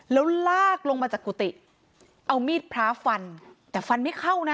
แล้วลากลงมาจากกุฏิเอามีดพระฟันแต่ฟันไม่เข้านะ